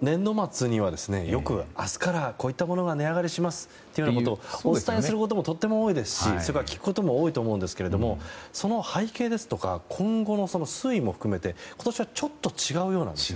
年度末にはよく、明日からこういったものが値上がりしますというようなことをお伝えすることもとっても多いですし聞くことも多いと思うんですがその背景ですとか今後の推移も含めて今年はちょっと違うようなんです。